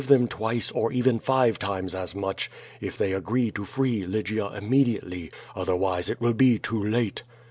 377 them twice, or even five times, as much — if they agree to free Lygia immediately. Otherwise it will be too late."